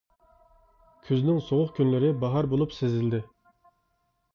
كۈزنىڭ سوغۇق كۈنلىرى، باھار بولۇپ سىزىلدى.